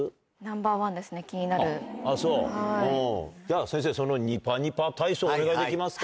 じゃあ先生そのニパニパ体操お願いできますか？